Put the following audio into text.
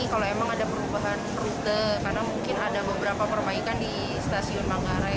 kalau emang ada perubahan rute karena mungkin ada beberapa perbaikan di stasiun manggarai